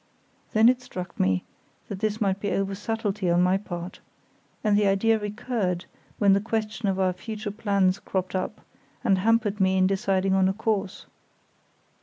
Then it struck me that this might be over subtlety on my part, and the idea recurred when the question of our future plans cropped up, and hampered me in deciding on a course.